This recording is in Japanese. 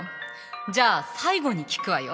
じゃあ最後に聞くわよ。